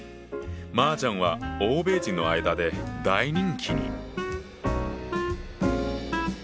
麻雀は欧米人の間で大人気に。